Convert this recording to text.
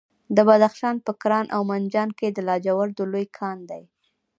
د بدخشان په کران او منجان کې د لاجوردو لوی کان دی.